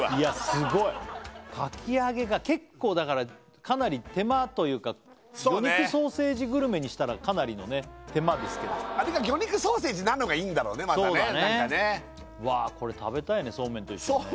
すごいかき揚げが結構だからかなり手間というか魚肉ソーセージグルメにしたらかなりのね手間ですけどあれが魚肉ソーセージなのがいんだろうねまたね